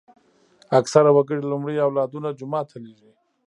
اکثره وګړي لومړی اولادونه جومات ته لېږي.